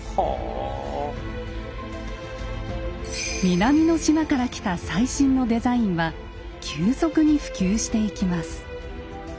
南の島から来た最新のデザインは急速に普及していきます。